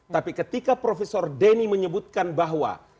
tapi ketika profesor denny menyebutkan bahwa